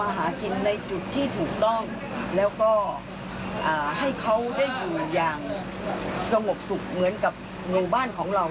ให้ถูกที่ถูกทางนะ